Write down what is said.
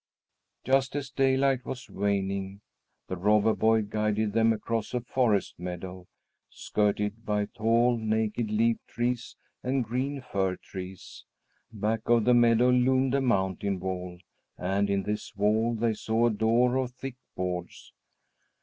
Just as daylight was waning, the robber boy guided them across a forest meadow, skirted by tall, naked leaf trees and green fir trees. Back of the meadow loomed a mountain wall, and in this wall they saw a door of thick boards.